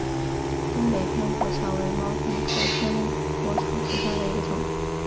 东北扁果草为毛茛科扁果草属下的一个种。